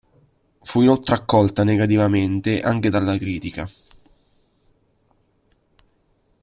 Fu inoltre accolta negativamente anche dalla critica.